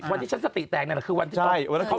วันที่ฉันสติแตกนี่คือวันที่ตรวจเสร็จ